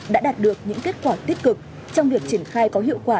đã đạt được những kết quả tích cực trong việc triển khai có hiệu quả